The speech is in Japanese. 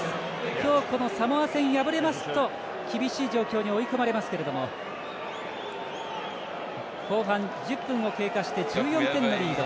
今日、サモア戦敗れますと、厳しい状況に追い込まれますけれども後半１０分を経過して１４点のリード。